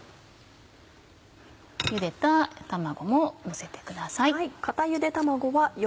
ゆでた卵ものせてください。